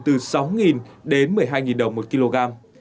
từ sáu đến một mươi hai đồng một kg